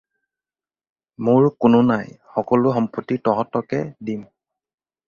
মোৰ কোনো নাই, সকলো সম্পত্তি তহঁতকে দিম।